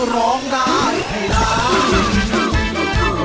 ร้องได้ให้ร้าน